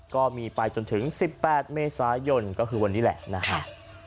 ก็มีไปจนถึง๑๘เมษายนก็คือวันนี้แหละนะครับ